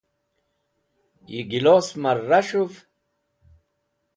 ya gelos mar ras̃huv